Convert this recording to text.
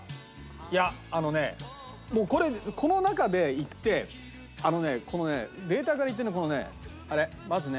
いやあのねもうこの中でいってあのねこのねデータからいってこのねあれまずね